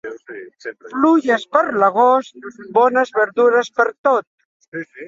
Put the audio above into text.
Pluges per l'agost, bones verdures pertot.